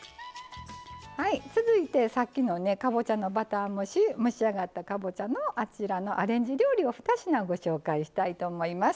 はい続いてさっきのねかぼちゃのバター蒸し蒸し上がったかぼちゃのあちらのアレンジ料理を２品ご紹介したいと思います。